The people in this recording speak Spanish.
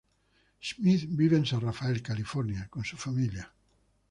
Smith vive en San Rafael, California, con su familia.